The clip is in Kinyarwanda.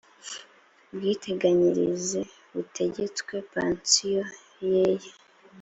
bwiteganyirize butegetswe pansiyo ye ya